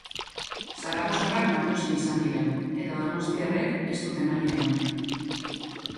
Zaragozarrak nagusi izan dira eta donostiarrek ez dute maila eman.